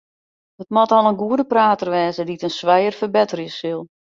It moat al in goede prater wêze dy't it in swijer ferbetterje sil.